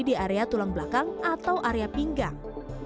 di area tulang belakang atau area pinggang